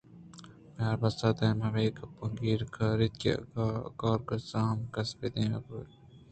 بناربس دائم ہمے گپاں گیر کاریت کہ کارگساں ہم کس پہ دیم پُترت نہ کنت ءُہرچی ئے دیم ءَ ڈکّے است